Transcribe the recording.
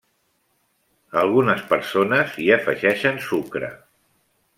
Algunes persones hi afegeixen sucre.